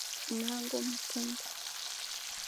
Mlango umefunguliwa